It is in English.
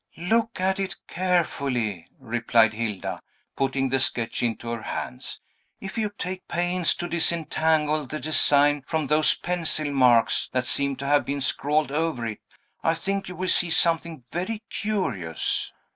"Look at it carefully," replied Hilda, putting the sketch into her hands. "If you take pains to disentangle the design from those pencil marks that seem to have been scrawled over it, I think you will see something very curious."